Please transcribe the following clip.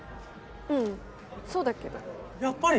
うんそうだけどやっぱり！